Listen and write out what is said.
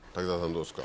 どうですか？